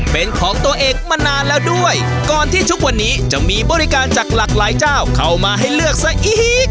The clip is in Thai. เป็นของตัวเองมานานแล้วด้วยก่อนที่ทุกวันนี้จะมีบริการจากหลากหลายเจ้าเข้ามาให้เลือกซะอีก